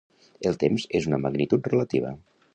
El temps és una magnitud relativa.